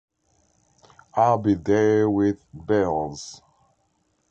I'll be there with bells!